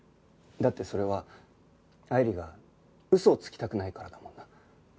だってそれは愛理が嘘をつきたくないからだもんな。